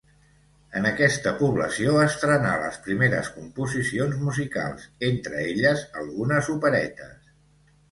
En aquesta població estrenà les primeres composicions musicals, entre elles algunes operetes.